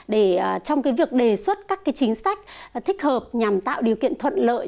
để trong cái việc đề xuất các cái chính sách thích hợp nhằm tạo điều kiện thuận lợi